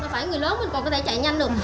phải người lớn mình còn có thể chạy nhanh được